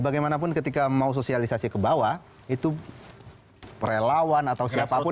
bagaimanapun ketika mau sosialisasi ke bawah itu relawan atau siapapun